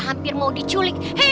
hampir mau diculik